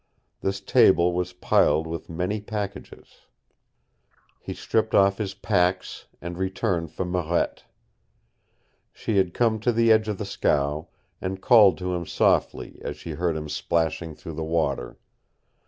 This table was piled with many packages. He stripped off his packs and returned for Marette. She had come to the edge of the scow and called to him softly as she heard him splashing through the water.